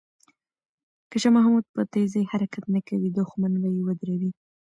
که شاه محمود په تېزۍ حرکت نه کوي، دښمن به یې ودروي.